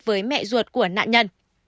với mẹ ruột của nạn nhân